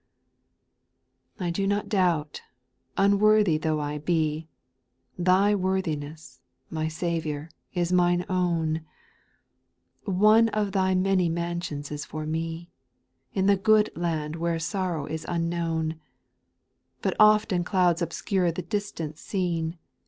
I do not doubt, unworthy though I be, Thy worthiness, my Saviour, is my own I One of Thy many mansions is for me, In the good land where sorrow is unknown , But often clouds obscure the distant scene.